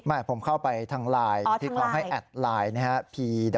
ไม่ผมเข้าไปทางไลน์ที่เค้าให้แอดไลน์